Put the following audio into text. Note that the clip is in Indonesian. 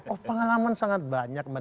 oh pengalaman sangat banyak